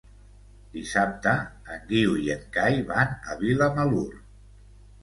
Dissabte en Guiu i en Cai van a Vilamalur.